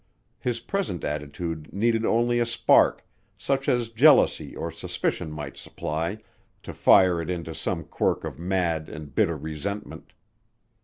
His present attitude needed only a spark, such as jealousy or suspicion might supply, to fire it into some quirk of mad and bitter resentment.